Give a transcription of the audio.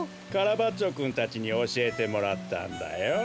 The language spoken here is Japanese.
カラバッチョくんたちにおしえてもらったんだよ。